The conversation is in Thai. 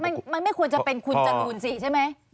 มันไม่ควรจะเป็นคุณจรูนสิใช่ไหม